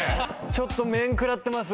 ちょっと面食らってます。